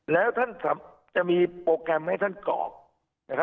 แล้วท่านจะมีโปรแกรมให้ท่านกรอกนะครับ